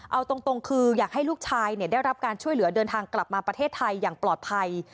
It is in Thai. เอาตรงคืออยากให้ลูกชายได้รับการช่วยเหลือเดินทางกลับมาประเทศไทยอย่างปลอดภัย